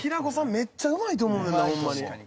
めっちゃうまいと思うねんなホンマに。